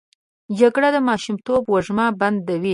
جګړه د ماشومتوب وږمه بندوي